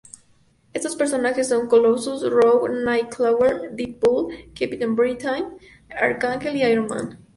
Estos personajes son Colossus, Rogue, Nightcrawler, Deadpool, Captain Britain, Arcángel y Iron Man.